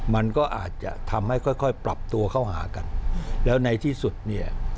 มันก็อาจจะทำให้ค่อยค่อยปรับตัวเข้าหากันแล้วในที่สุดเนี่ย